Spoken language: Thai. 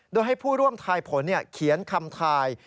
โดยให้ผู้ร่วมทายผลเขียนคำทาย